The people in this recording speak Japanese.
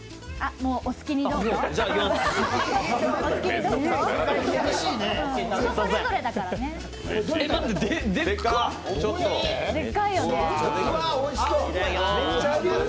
もう、お好きにどうぞ。